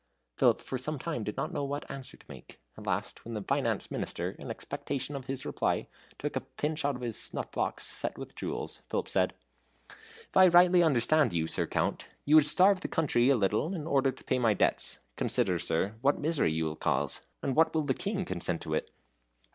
Philip for some time did not know what answer to make. At last, while the Finance Minister, in expectation of his reply, took a pinch out of his snuff box set with jewels, Philip said: "If I rightly understand you, Sir Count, you would starve the country a little, in order to pay my debts. Consider, sir, what misery you will cause. And will the King consent to it?"